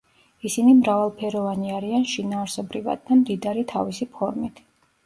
ისინი მრავალფეროვანი არიან შინაარსობრივად და მდიდარი თავისი ფორმით.